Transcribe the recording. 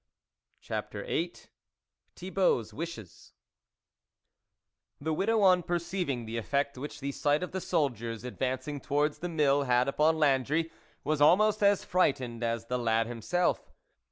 CHAPTER VIII THIBAULT'S WISHES THE widow, on perceiving the effect which the sight of the soldiers ad vancing towards the mill had upon Landry, was almost as frightened as the lad him self.